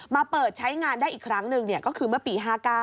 มาเปิดใช้งานได้อีกครั้งหนึ่งก็คือเมื่อปี๕๙